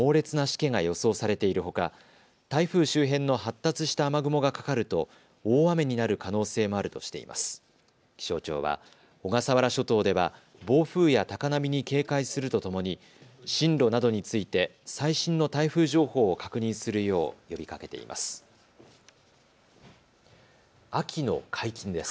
気象庁は小笠原諸島では暴風や高波に警戒するとともに進路などについて最新の台風情報を確認するよう呼びかけています。